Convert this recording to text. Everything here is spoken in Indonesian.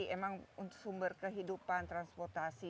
emang sumber kehidupan transportasi